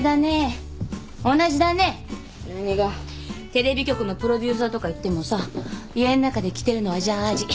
テレビ局のプロデューサーとかいってもさ家ん中で着てるのはジャージー。